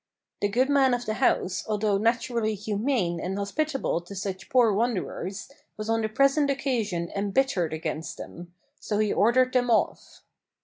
The good man of the house, although naturally humane and hospitable to such poor wanderers, was on the present occasion embittered against them; so he ordered them off.